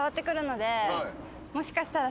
もしかしたら。